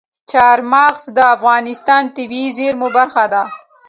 چار مغز د افغانستان د طبیعي زیرمو برخه ده.